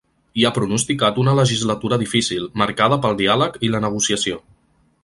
I ha pronosticat una legislatura difícil, marcada pel diàleg i la negociació.